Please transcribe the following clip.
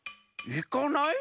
いかない？